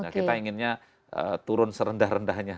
karena kita inginnya turun serendah rendahnya